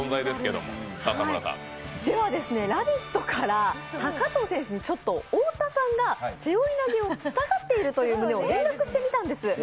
「ラヴィット！」から高藤選手に太田さんが背負い投げをしたがっているという旨を連絡してみたんです。